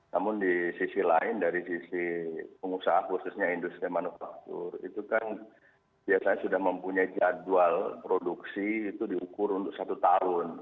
namun di sisi lain dari sisi pengusaha khususnya industri manufaktur itu kan biasanya sudah mempunyai jadwal produksi itu diukur untuk satu tahun